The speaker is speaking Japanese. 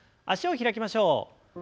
脚を開きましょう。